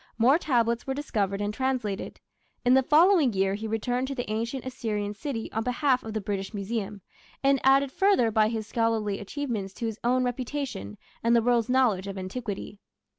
More tablets were discovered and translated. In the following year he returned to the ancient Assyrian city on behalf of the British Museum, and added further by his scholarly achievements to his own reputation and the world's knowledge of antiquity.